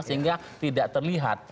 sehingga tidak terlihat